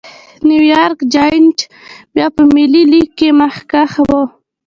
نیویارک جېانټ بیا په ملي لېګ کې مخکښ و.